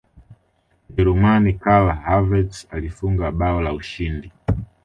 mjerumani karl havertz alifunga bao la ushindi